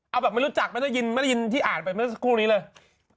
เอาแบบไม่รู้จักไม่ได้ยินที่อ่านไปไม่ได้รู้สึกว่านี้เลย